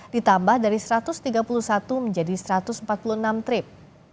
ditambah dari satu ratus tiga puluh satu menjadi satu ratus empat puluh enam trip